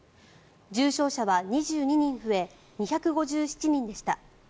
重症者は２２人増え２５７人でした。